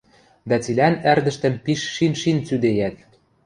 Дӓ цилӓн ӓрдӹштӹм пиш шин-шин цӱдейӓт: